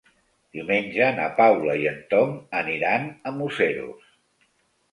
Diumenge na Paula i en Tom aniran a Museros.